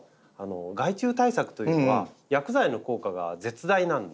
害虫対策というのは薬剤の効果が絶大なんです。